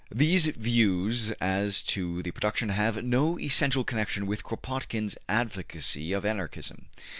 These views as to production have no essential connection with Kropotkin's advocacy of Anarchism.